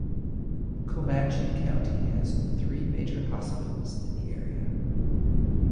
Comanche County has three major hospitals in the area.